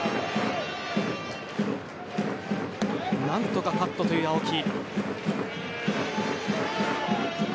何とかカットという青木。